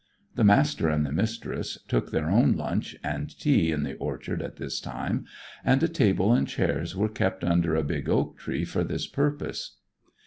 The Master and the Mistress took their own lunch and tea in the orchard at this time, and a table and chairs were kept under a big oak tree for this purpose.